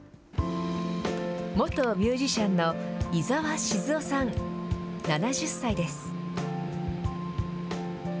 元ミュージシャンの伊沢靜夫さん７０歳です。